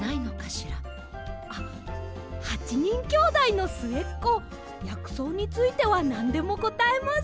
あっ８にんきょうだいのすえっこやくそうについてはなんでもこたえます。